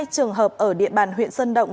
hai trường hợp ở địa bàn huyện sơn động